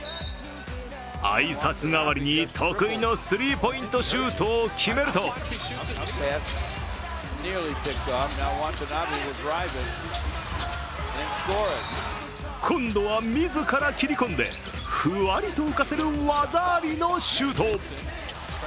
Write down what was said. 挨拶代わりに得意のスリーポイントシュートを決めると今度は自ら切り込んで、ふわりと浮かせる技ありのシュート。